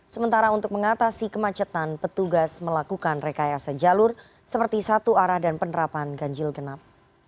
sementara untuk mengatasi kemacetan petugas melakukan rekayasa jalur seperti satu arah dan penerapan ganjil genap